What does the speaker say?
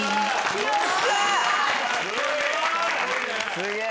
すごい！